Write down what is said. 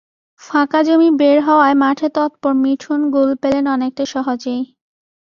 ফাঁকা জমি বের হওয়ায় মাঠে তৎপর মিঠুন গোল পেলেন অনেকটা সহজেই।